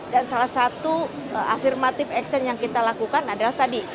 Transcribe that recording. dan salah satu afirmatif action yang kita lakukan adalah tadi